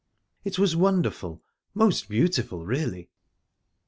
It was wonderful...most beautiful, really...